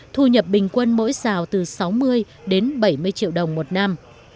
thu nhập bình quân mỗi xào từ sáu mươi đến bảy mươi triệu đồng một năm